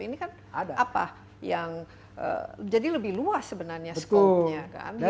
ini kan apa yang jadi lebih luas sebenarnya skonnya